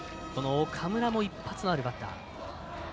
岡村も一発のあるバッター。